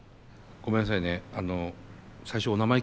「ごめんなさい」。